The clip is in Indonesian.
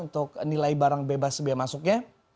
untuk nilai barang bebas bea masuknya